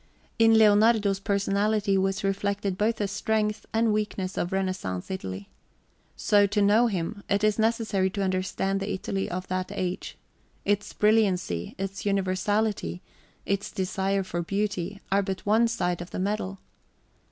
In Leonardo's personality was reflected both the strength and weakness of Renaissance Italy. So, to know him, it is necessary to understand the Italy of that age. Its brilliancy, its universality, its desire for beauty, are but one side of the medal.